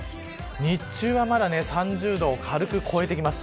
日中はまだ３０度を軽く超えてきます。